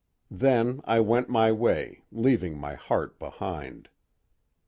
Then I went my way, leaving my heart behind.